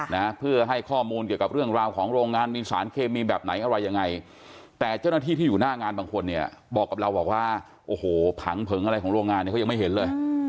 นะเพื่อให้ข้อมูลเกี่ยวกับเรื่องราวของโรงงานมีสารเคมีแบบไหนอะไรยังไงแต่เจ้าหน้าที่ที่อยู่หน้างานบางคนเนี่ยบอกกับเราบอกว่าโอ้โหผังเผิงอะไรของโรงงานเนี่ยเขายังไม่เห็นเลย